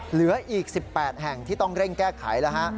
เหลืออีก๑๘แห่งที่ต้องเร่งแก้ไขแล้วฮะ